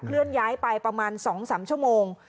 เลื่อนย้ายไปประมาณ๒๓ชั่วโมง